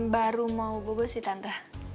baru mau bobo sih tante